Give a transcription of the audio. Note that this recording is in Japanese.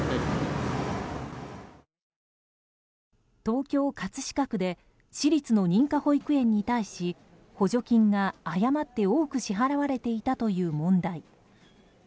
東京・葛飾区で私立の認可保育園に対し補助金が誤って多く支払われていたという問題。